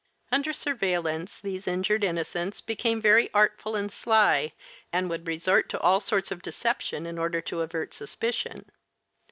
Under surveillance, these injured innocents became very artful and sly and would resort to all sorts of deception in order to avert suspicion.